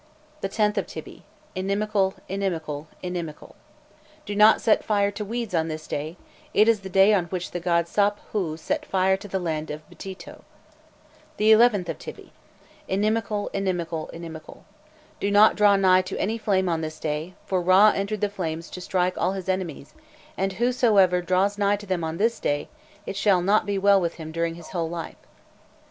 The 10th of Tybi: inimical, inimical, mimical. Do not set fire to weeds on this day: it is the day on which the god Sap hôû set fire to the land of Btito. The 11th of Tybi: inimical, inimical, inimical. Do not draw nigh to any flame on this day, for Râ entered the flames to strike all his enemies, and whosoever draws nigh to them on this day, it shall not be well with him during his whole life.